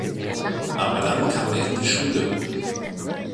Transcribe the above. Aber dann kam er in die Schule.